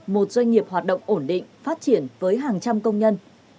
một doanh nghiệp hoạt động ổn định phát triển với hàng trăm công nhân